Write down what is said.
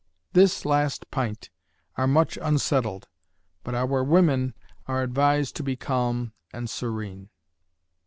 This last pint are much unsettled, but our women are advised to be calm and serene.